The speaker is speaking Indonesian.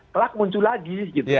telah muncul lagi